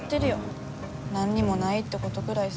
何にもないってことぐらいさ。